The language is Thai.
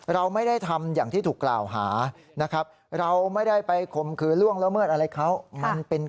เราไม่ได้ทำอย่างที่ถูกราวหานะครับ